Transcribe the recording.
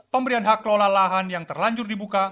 pemberian hak lola lahan yang terlanjur dibuka